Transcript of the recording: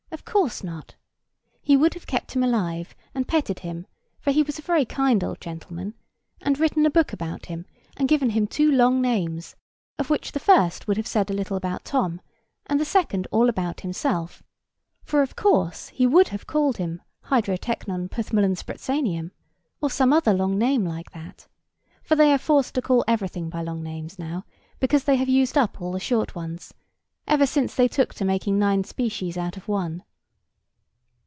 Of course not. He would have kept him alive, and petted him (for he was a very kind old gentleman), and written a book about him, and given him two long names, of which the first would have said a little about Tom, and the second all about himself; for of course he would have called him Hydrotecnon Ptthmllnsprtsianum, or some other long name like that; for they are forced to call everything by long names now, because they have used up all the short ones, ever since they took to making nine species out of one.